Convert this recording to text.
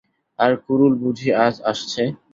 আর কুড়ুল বুঝি আজ আসছে?